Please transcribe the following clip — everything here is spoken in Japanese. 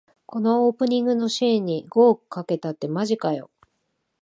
このオープニングのシーンに五億かけたってマジかよ